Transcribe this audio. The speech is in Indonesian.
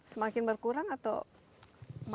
semakin berkurang atau masih